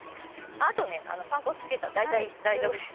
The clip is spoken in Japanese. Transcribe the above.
◆あとね、パン粉つけたら大体、大丈夫です。